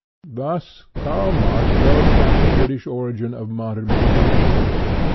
l Thus Karl Marx wrote about the British origin of modern materialism.